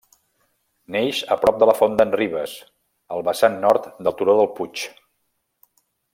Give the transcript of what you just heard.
Neix a prop de la Font d'en Ribes, al vessant Nord del turó del Puig.